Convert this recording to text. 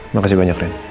makasih banyak ren